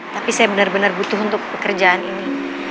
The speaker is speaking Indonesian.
tapi saya benar benar butuh untuk pekerjaan ini